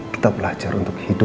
jangan lupa untuk berhenti